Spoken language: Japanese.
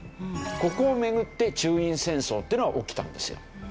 ここを巡って中印戦争っていうのが起きたんですよ。